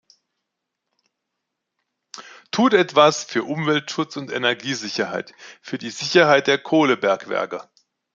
Tut etwas für Umweltschutz und Energiesicherheit, für die Sicherheit der Kohlebergwerke!